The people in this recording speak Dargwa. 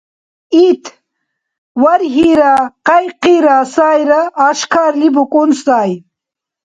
Ит, варгьира хъяйхъира сайра, ашкарли букӀун сай.